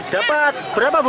dapat berapa bu